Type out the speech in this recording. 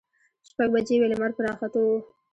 شپږ بجې وې، لمر په راختو و.